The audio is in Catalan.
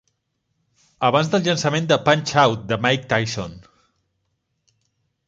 Abans del llançament de Punch-Out!! de Mike Tyson